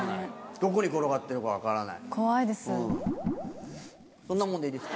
どこに転がってるか分からない。